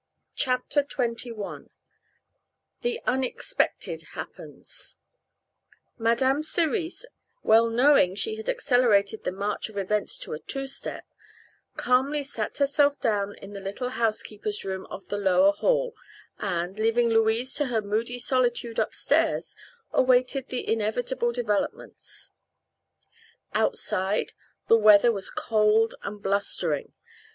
CHAPTER XXI THE UNEXPECTED HAPPENS Madame Cerise, well knowing she had accelerated the march of events to a two step, calmly sat herself down in the little housekeeper's room off the lower hall and, leaving Louise to her moody solitude upstairs, awaited the inevitable developments. Outside the weather was cold and blustering.